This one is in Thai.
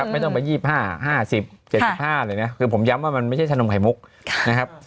ไม่ต้องไป๒๕๕๐๗๕เลยนะคือผมย้ำว่ามันไม่ใช่ชะนมไข่มุกนะครับ